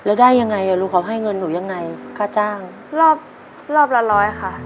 แล้วได้ยังไงอ่ะลูกเขาให้เงินหนูยังไงค่าจ้างรอบรอบละร้อยค่ะ